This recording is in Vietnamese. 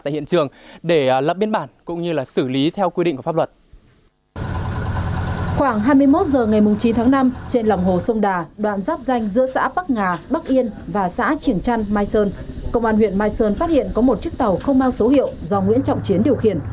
hoàn huyện mai sơn phát hiện có một chiếc tàu không mang số hiệu do nguyễn trọng chiến điều khiển